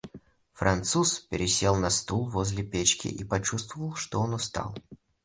Француз пересел на стул возле печки и почувствовал, что он устал.